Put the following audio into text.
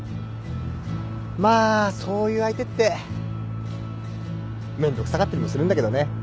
まあそういう相手ってめんどくさかったりもするんだけどね。